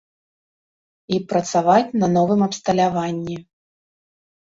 І працаваць на новым абсталяванні.